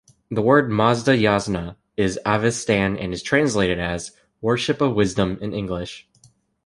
The word Mazda-Yasna is avestan and is translated as "Worship of Wisdom" in English.